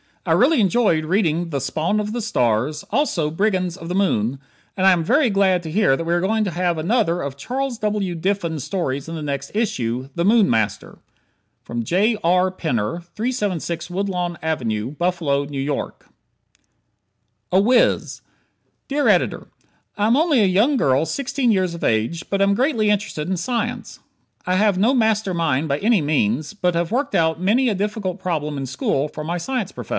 I really enjoyed reading the "Spawn of the Stars," also "Brigands of the Moon," and I am very glad to hear that we are going to have another of Charles W. Diffin's stories in the next issue "The Moon Master." J. R. Penner, 376 Woodlawn Ave, Buffalo N. Y. "A Wiz" Dear Editor: I am only a young girl sixteen years of age but am greatly interested in science. I have no master mind by any means, but have worked out many a difficult problem in school for my science prof.